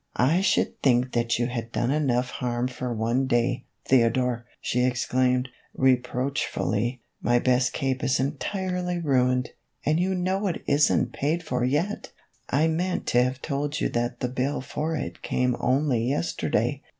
" I should think that you had done enough harm for one day, Theodore," she exclaimed, reproach fully ;" my best cape is entirely ruined, and you know it is n't paid for yet ! I meant to have told you that the bill for it came only yesterday."